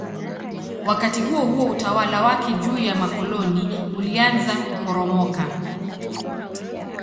Wakati huohuo utawala wake juu ya makoloni ulianza kuporomoka.